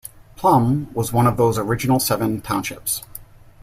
Plum was one of those original seven townships.